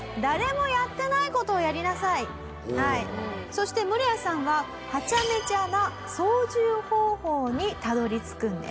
そしてムロヤさんはハチャメチャな操縦方法にたどり着くんです。